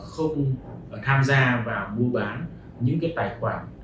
không tham gia và buôn bán những cái tài khoản